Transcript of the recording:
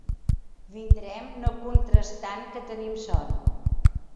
Vindrem no contrastant que tenim son.